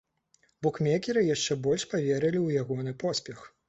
Букмекеры яшчэ больш паверылі ў ягоны поспех.